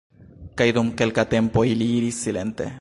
Kaj dum kelka tempo ili iris silente.